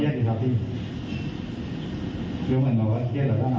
เพียงทั้งสามราคา